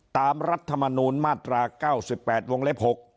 รัฐมนูลมาตรา๙๘วงเล็บ๖